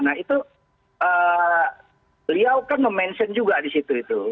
nah itu liao kan mention juga disitu itu